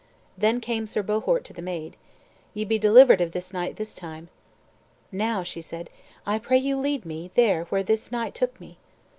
Then came Sir Bohort to the maid, "Ye be delivered of this knight this time." "Now," said she, "I pray you lead me there where this knight took me."